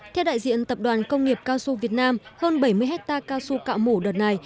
theo đại diện tập đoàn công nghiệp casu việt nam hơn bảy mươi hectare casu cạo mù đợt này